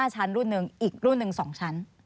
ชั้นรุ่นหนึ่งอีกรุ่นหนึ่ง๒ชั้น